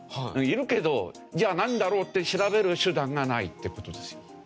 いるけどじゃあなんだろうって調べる手段がないって事ですよ。